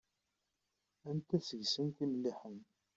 Anita deg-sent i imelliḥen?